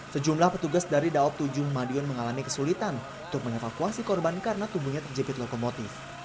sejumlah petugas dari daob tujuh madiun mengalami kesulitan untuk mengevakuasi korban karena tubuhnya terjepit lokomotif